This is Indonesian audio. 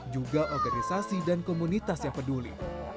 juga organisasi dan komunitas yang peduli